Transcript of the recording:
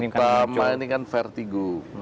pertama ini kan vertigo